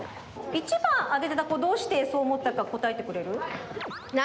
①ばんあげてたこどうしてそうおもったかこたえてくれる？